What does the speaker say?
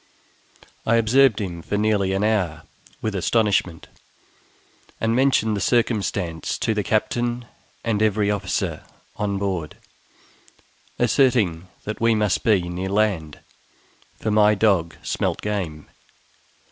I observed him for nearly an hour with astonishment, and mentioned the circumstance to the captain and every officer on board, asserting that we must be near land, for my dog smelt game.